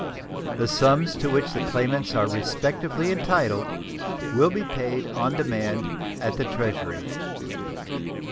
The sums to which the claimants are respectively entitled will be paid on demand at the Treasury.